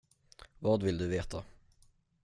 Vad vill du veta?